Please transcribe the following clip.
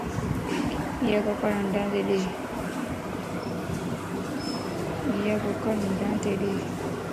ايا ڪڪڙ ھنڊا تي ڏي